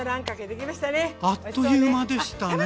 あっという間でしたね。